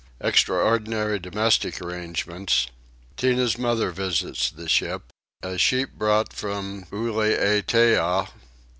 Extraordinary domestic Arrangements. Tinah's Mother visits the Ship. A Sheep brought from Ulietea.